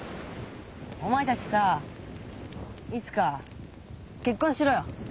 お前たちさいつか結婚しろよ。